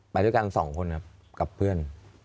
ไปด้วยกันสองคนครับกับเพื่อน